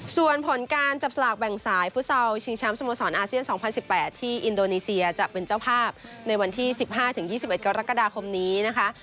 ส่วนผลการจับสลากแบ่งสายฟุตซอลชิงแชมป์สโมสรอาเซียน๒๐๑๘ที่อินโดนีเซียจะเป็นเจ้าภาพในวันที่๑๕๒๑กรกฎาคมนี้นะคะ